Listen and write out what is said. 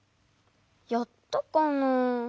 やったかな？